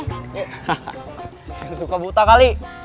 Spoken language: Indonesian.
yang suka buta kali